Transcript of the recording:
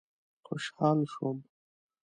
خوشحال شوم.